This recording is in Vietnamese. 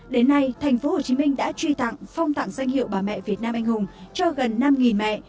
đến nay tp hcm đã truy tặng phong tặng danh hiệu bà mẹ việt nam anh hùng cho gần năm mẹ